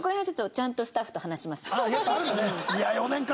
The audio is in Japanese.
ああやっぱあるんだね。